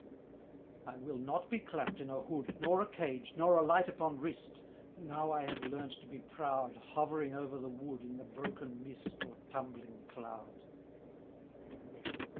'I will not be clapped in a hood, Nor a cage, nor alight upon wrist, Now I have learnt to be proud Hovering over the wood In the broken mist Or tumbling cloud.'